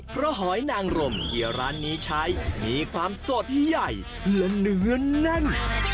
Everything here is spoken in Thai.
เพราะหอยนางรมที่ร้านนี้ใช้มีความสดใหญ่และเนื้อแน่น